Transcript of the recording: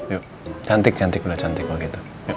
yuk cantik cantik dulu cantik pake itu